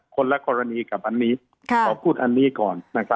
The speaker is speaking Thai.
คนละกรณีกับอันนี้ขอพูดอันนี้ก่อน